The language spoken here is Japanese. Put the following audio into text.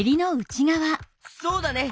そうだね。